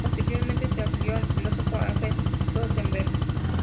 Posteriormente se afilió el filósofo Alfred Rosenberg.